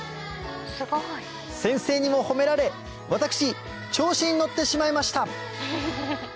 先生にも褒められ私調子に乗ってしまいました